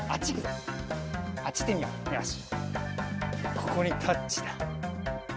ここにタッチだ。